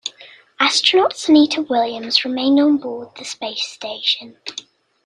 Astronaut Sunita Williams remained on board the space station.